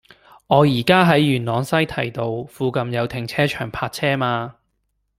我依家喺元朗西堤街，附近有停車場泊車嗎